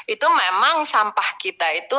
itu memang sampah kita itu